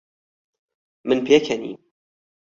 من پێکەنیم.